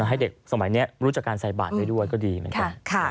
ให้เด็กสมัยนี้รู้จักการใส่บาทได้ด้วยก็ดีเหมือนกัน